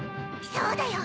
そうだよ！